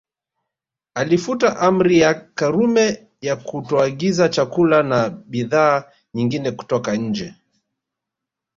Alifuta Amri ya Karume ya kutoagiza chakula na bidhaa nyingine kutoka nje